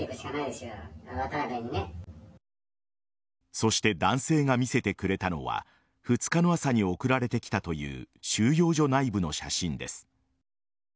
そして男性が見せてくれたのは２日の朝に送られてきたという収容所内部の写真です。